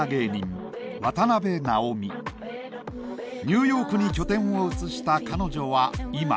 ニューヨークに拠点を移した彼女は今。